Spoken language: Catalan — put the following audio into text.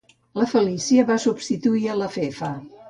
La Felicia va substituir a la Fefa.